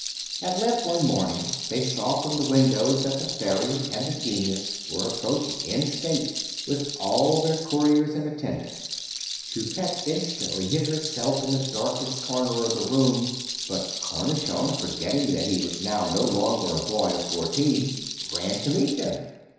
At length, one morning, they saw from the windows that the fairy and the genius were approaching, in state, with all their courtiers in attendance. Toupette instantly hid herself in the darkest corner of the room, but Cornichon, forgetting that he was now no longer a boy of fourteen, ran to meet them.